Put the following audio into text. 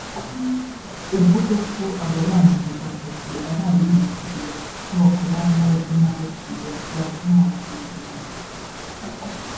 uvuga ko ababangiriza akazi ari abiyitirira ko bakorana n’abagenagaciro bazwi nk’abakomisiyoneri